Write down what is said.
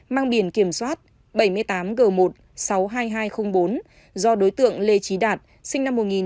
mang biển kiểm soát bảy mươi tám g một sáu mươi hai nghìn hai trăm linh bốn do đối tượng lê trí đạt sinh năm một nghìn chín trăm tám mươi